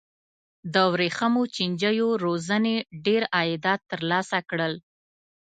د ورېښمو چینجیو روزنې ډېر عایدات ترلاسه کړل.